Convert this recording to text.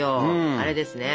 あれですね。